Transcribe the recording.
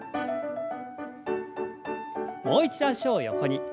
もう一度脚を横に。